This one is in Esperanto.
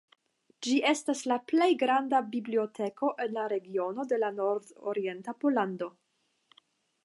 Ĝi estas la plej granda biblioteko en la regiono de nordorienta Pollando.